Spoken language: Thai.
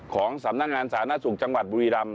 ของสำนักงานสาธารณสุขจังหวัดบุรีรำ